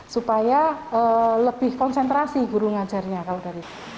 supaya lebih konsentrasi guru ngajarnya kalau dari